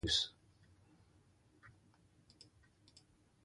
Piedmont is almost entirely zoned for single-family dwelling residential use.